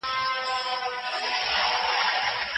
چي زه نارې کړم خلکو غلیم دی